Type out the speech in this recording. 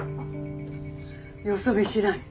よそ見しない。